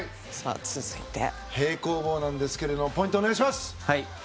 続いて、平行棒なんですけどもポイントをお願いします。